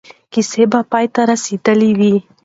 کیسه به پای ته رسېدلې وي.